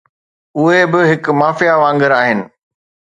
. اهي به هڪ مافيا وانگر آهن